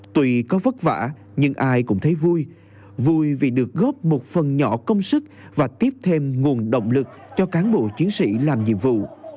tuy có vất vả nhưng ai cũng thấy vui vui vì được góp một phần nhỏ công sức và tiếp thêm nguồn động lực cho cán bộ chiến sĩ làm nhiệm vụ